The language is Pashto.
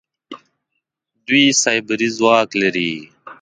دوی سايبري ځواک لري.